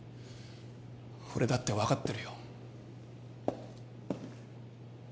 俺だって分かってるよ